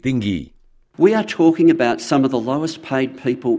penghasilan akan berlaku dengan lebih kurang dari setengah kepala